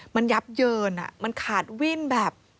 มันยับเยินมันขาดวิ่นแบบ